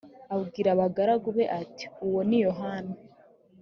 abwira abagaragu be ati uwo ni yohana